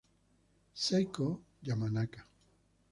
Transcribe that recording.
Seiko Yamanaka